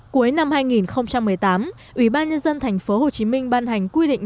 cuối năm hai nghìn một mươi tám ủy ban nhân dân thành phố hồ chí minh ban hành quy định